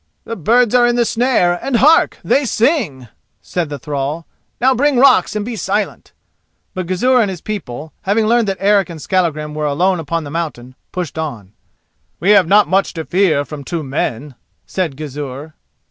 "The birds are in the snare, and hark! they sing," said the thrall; "now bring rocks and be silent." But Gizur and his people, having learned that Eric and Skallagrim were alone upon the mountain, pushed on. "We have not much to fear from two men," said Gizur.